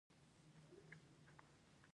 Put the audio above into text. یو سل او نولسمه پوښتنه د رخصتیو په اړه ده.